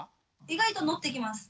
意外と乗ってきます。